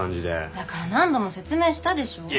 だから何度も説明したでしょ？